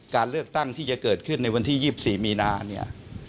การเลือกตั้งที่จะเกิดขึ้นในวันที่๒๔มีนาเนี่ย